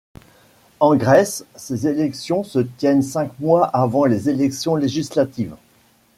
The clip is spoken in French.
En Grèce, ces élections se tiennent cinq mois avant les élections législatives.